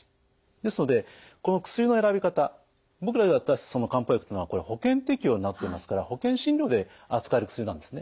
ですのでこの薬の選び方僕らが渡すその漢方薬っていうのは保険適用になっていますから保険診療で扱える薬なんですね。